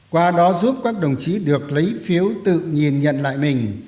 qua đó giúp các đồng chí được lấy phiếu tự nhìn nhận lại mình